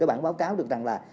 cái bản báo cáo được rằng là